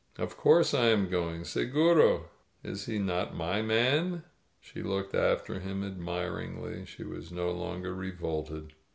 "Of course I am going. Segurol Is he not my man?" She looked after him admiringly. She was no longer revolted.